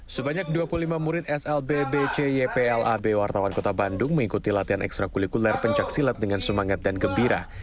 sebanyak dua puluh lima murid slb bc yplab wartawan kota bandung mengikuti latihan ekstra kulikuler pencaksilat dengan semangat dan gembira